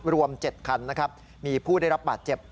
รวม๗คันนะครับมีผู้ได้รับบาดเจ็บ